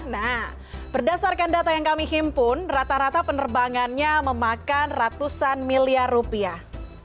nah berdasarkan data yang kami himpun rata rata penerbangannya memakan ratusan miliar rupiah